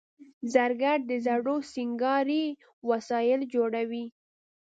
زرګر د زرو سینګاري وسایل جوړوي